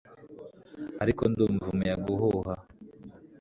ariko ndumva umuyaga uhuha